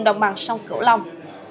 đồng bằng sông cửu long